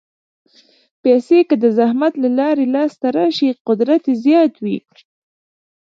پېسې که د زحمت له لارې لاسته راشي، قدر یې زیات وي.